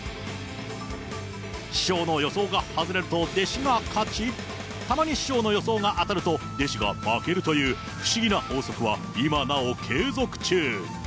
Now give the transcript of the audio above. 師匠の予想が外れると、弟子が勝ち、たまに師匠の予想が当たると、弟子が負けるという不思議な法則は今なお継続中。